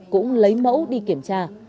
cũng lấy mẫu đi kiểm tra